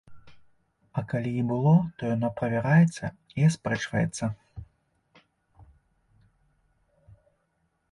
А калі і было, то яно правяраецца і аспрэчваецца.